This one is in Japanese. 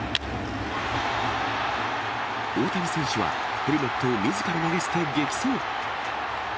大谷選手はヘルメットをみずから投げ捨て激走。